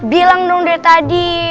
bilang dong dari tadi